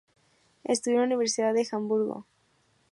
Estudió en la Universidad de Hamburgo.